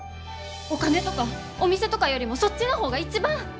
お金とかお店とかよりもそっちの方が一番！